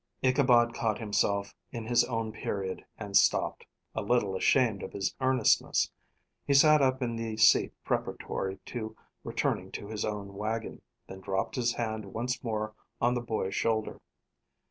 Ichabod caught himself in his own period and stopped, a little ashamed of his earnestness. He sat up in the seat preparatory to returning to his own wagon, then dropped his hand once more on the boy's shoulder.